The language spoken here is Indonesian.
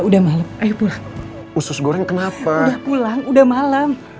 udah pulang udah malam